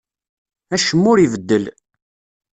Acemma ur ibeddel.